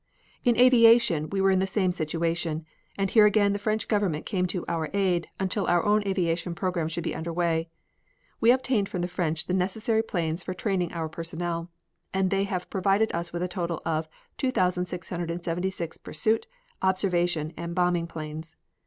In aviation we were in the same situation, and here again the French Government came to our aid until our own aviation program should be under way. We obtained from the French the necessary planes for training our personnel, and they have provided us with a total of 2,676 pursuit, observation, and bombing planes.